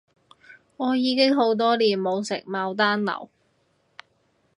我已經好多年冇食牡丹樓